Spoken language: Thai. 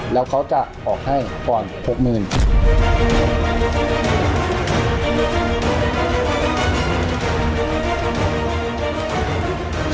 แล้วเขาจะออกให้ก่อน๖๐๐๐บาท